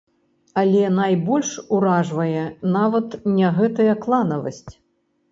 Але найбольш уражвае нават не гэтая кланавасць.